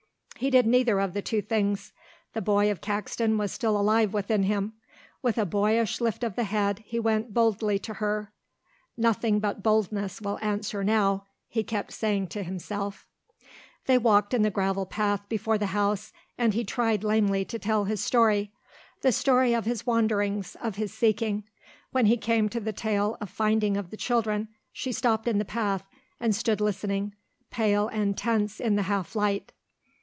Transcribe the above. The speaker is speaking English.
He did neither of the two things. The boy of Caxton was still alive within him. With a boyish lift of the head he went boldly to her. "Nothing but boldness will answer now," he kept saying to himself. They walked in the gravel path before the house and he tried lamely to tell his story, the story of his wanderings, of his seeking. When he came to the tale of the finding of the children she stopped in the path and stood listening, pale and tense in the half light.